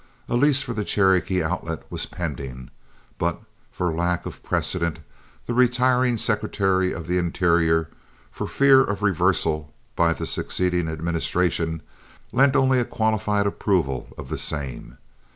A lease for the Cherokee Outlet was pending, but for lack of precedent the retiring Secretary of the Interior, for fear of reversal by the succeeding administration, lent only a qualified approval of the same.